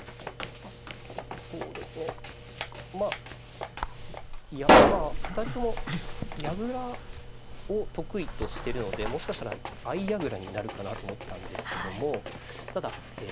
そうですねまあ２人とも矢倉を得意としてるのでもしかしたら相矢倉になるかなと思ったんですけどもただえ